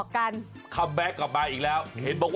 น่าจะนึกออกกัน